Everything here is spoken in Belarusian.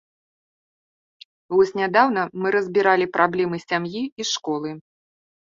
Вось нядаўна мы разбіралі праблемы сям'і і школы.